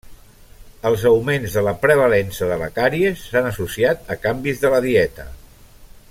Els augments de la prevalença de la càries s'han associat a canvis de la dieta.